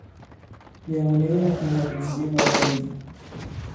نمونهای از میهندوستی واقعی